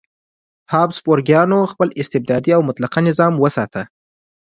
هابسبورګیانو خپل استبدادي او مطلقه نظام وساته.